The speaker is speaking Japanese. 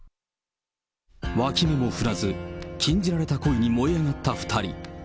わき目も振らず、禁じられた恋に燃え上がった２人。